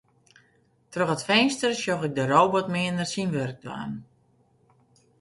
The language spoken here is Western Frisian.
Troch it finster sjoch ik de robotmeaner syn wurk dwaan.